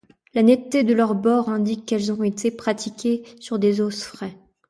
La netteté de leurs bords indique qu'elles ont été pratiquées sur des os frais.